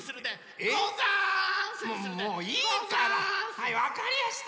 はいわかりやした！